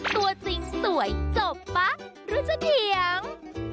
ตัวจริงสวยจบปะรู้จะเถียง